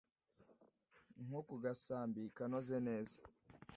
nko ku gasambi kanoze neza